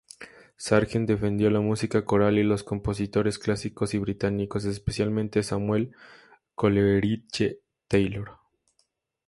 Sargent defendió la música coral y los compositores clásicos y británicos, especialmente Samuel Coleridge-Taylor.